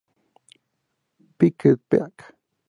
R Pikes Peak.